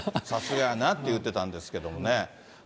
さすがやなって言ってたんですけどもね。